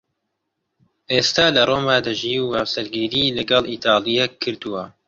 ئێستا لە ڕۆما دەژی و هاوسەرگیریی لەگەڵ ئیتاڵییەک کردووە.